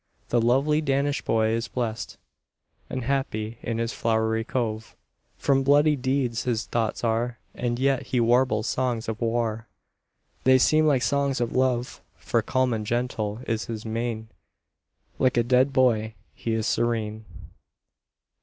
The lovely Danish Boy is blest And happy in his flowery cove; From bloody deeds his thoughts are far; And yet he warbles songs of war; They seem like songs of love, For calm and gentle is his mien; Like a dead Boy he is serene.